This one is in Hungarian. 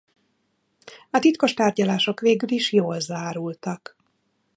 A titkos tárgyalások végül is jól zárultak.